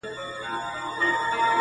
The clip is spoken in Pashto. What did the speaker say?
چي زوړ سې، نر به دي بولم چي په جوړ سې.